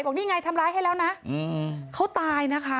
นี่ไงทำร้ายให้แล้วนะเขาตายนะคะ